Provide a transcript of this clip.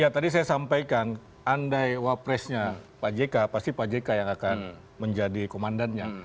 ya tadi saya sampaikan andai wapresnya pak jk pasti pak jk yang akan menjadi komandannya